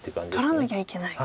取らなきゃいけない。